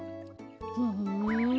ふん。